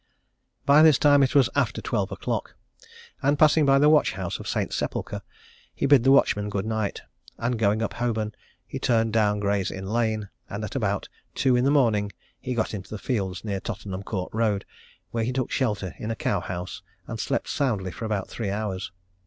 By this time it was after twelve o'clock, and passing by the watch house of St. Sepulchre, he bid the watchman good night; and going up Holborn, he turned down Gray's Inn Lane, and at about two in the morning, he got into the fields near Tottenham Court Road, where he took shelter in a cow house, and slept soundly for about three hours.